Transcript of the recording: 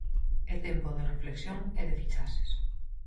É tempo de reflexión e de fichaxes.